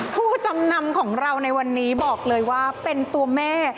ผู้จำนำของเราในวันนี้บอกเลยว่าเป็นตัวแม่